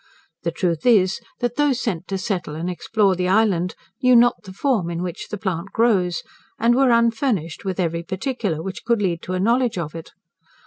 The truth is, that those sent to settle and explore the island knew not the form in which the plant grows, and were unfurnished with every particular which could lead to a knowledge of it.